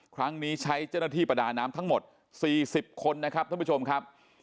ครั้งนี้ใช้เจ้าหน้าที่ประดาน้ำทั้งหมด๔๐คนนะครับท่านผู้ชมครับ